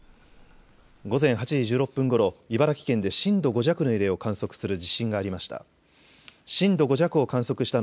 午前８時１６分ごろ、茨城県で震度５弱の揺れを観測する地震がありました。